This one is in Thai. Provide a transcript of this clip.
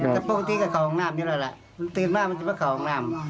ครับปกติก็เขาข้างหน้ามนี่แหละล่ะตื่นมามันจะเป็นเขาข้างหน้าม